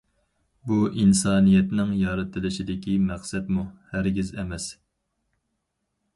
بۇ ئىنسانىيەتنىڭ يارىتىلىشىدىكى مەقسەتمۇ؟ ھەرگىز ئەمەس.